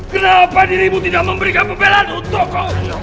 kenapa dirimu tidak memberikan pembelaan untuk kau